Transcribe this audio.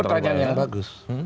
ini pertanyaan yang bagus